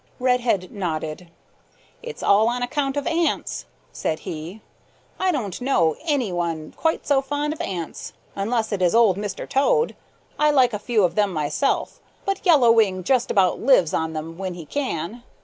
Redhead nodded. "It's all on account of ants," said he. "I don't know of any one quite so fond of ants unless it is Old Mr. Toad. I like a few of them myself, but Yellow Wing just about lives on them when he can.